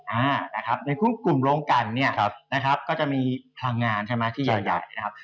มากในหุ้นกลุ่มโรงกันเนี่ยก็จะมีพลังงานทีใหญ่นะครับ